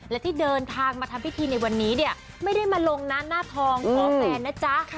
และที่เดินทางมาทำพิธีในวันนี้เนี่ยไม่ได้มาลงหน้าทองขอแฟนนะจ๊ะ